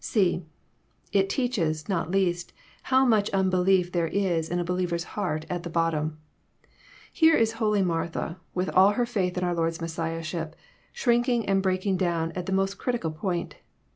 (c) It teaches, not least, how much unbelief there is in a believer's heart at the bottom. Here is holy Martha, with all her faith in our Lord's Messiahship, shrinking and breaking down at this most critical point.